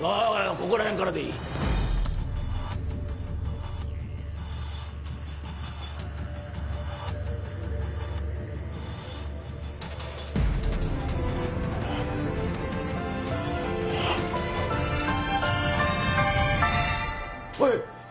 ここらへんからでいいおい！